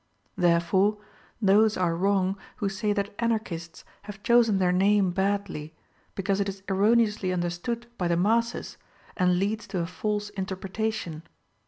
Therefore, those are wrong who say that Anarchists have chosen their name badly, because it is erroneously understood by the masses and leads to a false interpretation.